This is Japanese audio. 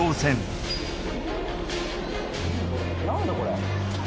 何だこれ？